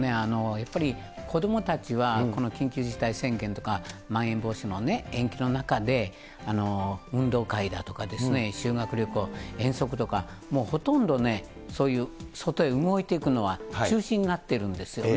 やっぱり子どもたちは、この緊急事態宣言とかまん延防止の延期の中で、運動会だとか修学旅行、遠足とか、もうほとんど、そういう外へ動いていくのは中止になっているんですよね。